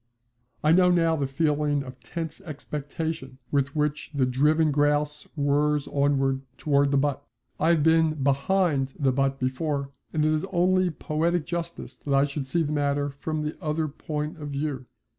I know now the feeling of tense expectation with which the driven grouse whirrs onwards towards the butt. I have been behind the butt before now, and it is only poetic justice that I should see the matter from the other point of view.